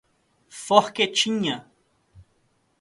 Forquetinha